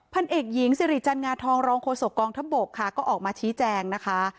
พันเอกหญิงสิริจันงาทองรองโฆษกองทัพบกค่ะก็ออกมาชี้แจงนะคะ